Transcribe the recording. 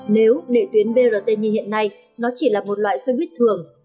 nếu nể tuyến brt như hiện nay nó chỉ là một loại xe buýt thường